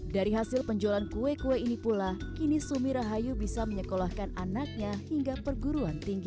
dari hasil penjualan kue kue ini pula kini sumi rahayu bisa menyekolahkan anaknya hingga perguruan tinggi